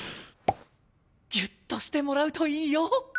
ぎゅっとしてもらうといいよ！